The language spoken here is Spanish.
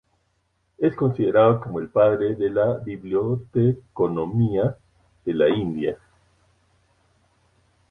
Es considerando como el padre de la biblioteconomía de la India.